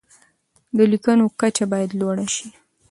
د لیکنو کچه باید لوړه شي.